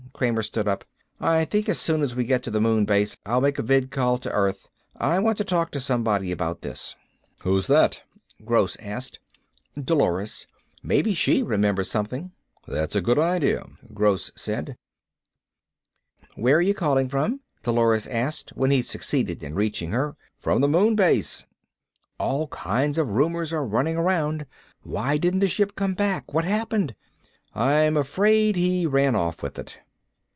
Kramer stood up. "I think as soon as we get to the moon base I'll make a vidcall to earth. I want to talk to somebody about this." "Who's that?" Gross asked. "Dolores. Maybe she remembers something." "That's a good idea," Gross said. "Where are you calling from?" Dolores asked, when he succeeded in reaching her. "From the moon base." "All kinds of rumors are running around. Why didn't the ship come back? What happened?" "I'm afraid he ran off with it."